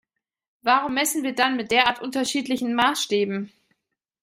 Warum messen wir dann mit derart unterschiedlichen Maßstäben?